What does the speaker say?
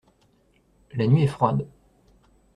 La nuit est froide.